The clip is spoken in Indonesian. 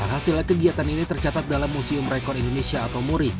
hasil kegiatan ini tercatat dalam museum rekor indonesia atau muri